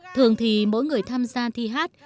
thường thì mỗi người tham gia thi hát